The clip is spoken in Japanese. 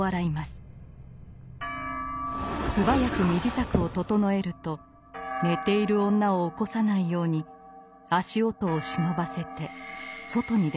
素早く身支度を整えると寝ている女を起こさないように足音をしのばせて外に出ました。